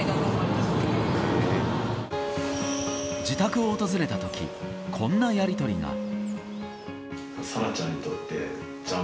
自宅を訪れた時こんなやり取りが。